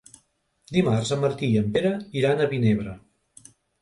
Dimarts en Martí i en Pere iran a Vinebre.